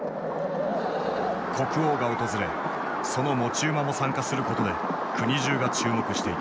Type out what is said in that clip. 国王が訪れその持ち馬も参加することで国中が注目していた。